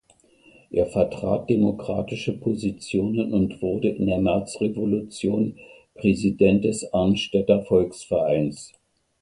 Er vertrat demokratische Positionen und wurde in der Märzrevolution Präsident des Arnstädter Volksvereins.